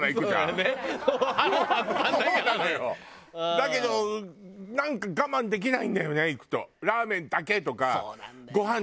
だけどなんか我慢できないんだよね行くと。